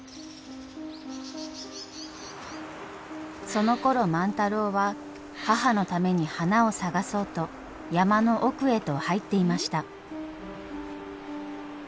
そのころ万太郎は母のために花を探そうと山の奥へと入っていました。